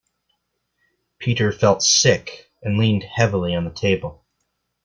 Peter felt sick, and leaned heavily on the table